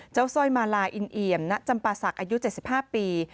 สร้อยมาลาอินเอี่ยมณจำปาศักดิ์อายุ๗๕ปี